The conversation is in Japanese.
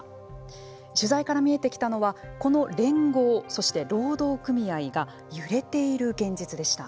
取材から見えてきたのはこの連合、そして労働組合が揺れている現実でした。